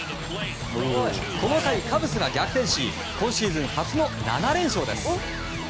この回、カブスが逆転し今シーズン初の７連勝です。